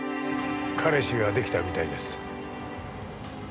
彼氏が出来たみたいです。